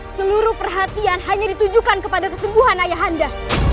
seluruh perhatian hanya ditujukan kepada kesembuhan ayah anda